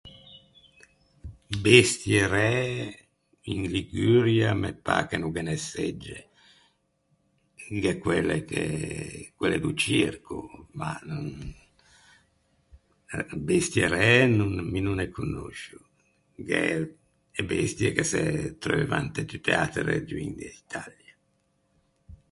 Bestie ræe in Liguria me pâ che no ghe ne segge. Gh’é quelle che, quelle do circo, ma no, bestie ræe no mi no ne conoscio. Gh’é e bestie che se treuvan inte tutte e atre regioin de l’Italia.